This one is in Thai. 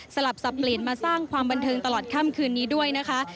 สลับสับเปลี่ยนมาสร้างความบันเทิงตลอดค่ำคืนนี้ด้วยนะคะ